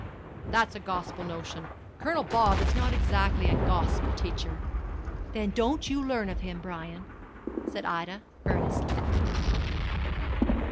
'That's a gospel notion. Colonel Bob is not exactly a gospel teacher,' 'Then don't you learn of him, Brian,' said Ida, earnestly.